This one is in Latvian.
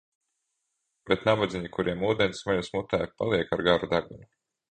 Bet nabadziņi, kuriem ūdens smeļas mutē, paliek ar garu degunu.